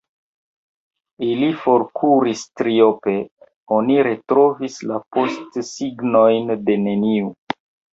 Ili forkuris triope: oni retrovis la postsignojn de neniu.